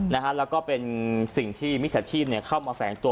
แล้วก็เป็นสิ่งที่มิจฉาชีพเข้ามาแฝงตัว